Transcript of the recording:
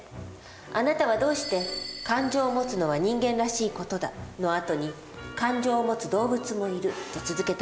あなたはどうして「感情を持つのは人間らしい事だ」の後に「感情を持つ動物もいる」と続けたの？